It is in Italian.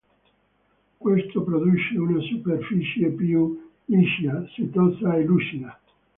Questo produce una superficie più liscia, setosa e lucida.